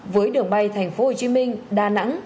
với đường bay tp hcm đà nẵng